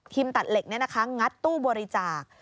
ครีมตัดเหล็กนี่นะคะงัดตู้บริจาค